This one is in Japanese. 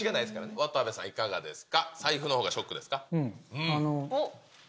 渡部さん、いかがですか。